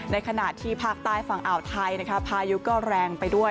ในขณะที่ภาคใต้ฝั่งอ่าวไทยนะคะพายุก็แรงไปด้วย